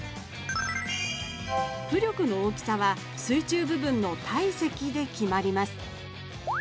浮力の大きさは水中部分の体積で決まります。